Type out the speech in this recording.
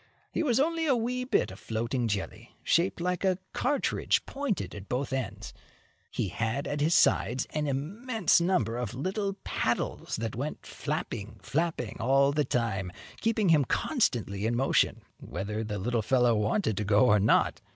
He was only a wee bit of floating jelly, shaped like a cartridge pointed at both ends. He had at his sides an immense number of little paddles that went flapping, flapping all the time, keeping him constantly in motion, whether the little fellow wanted to go or not.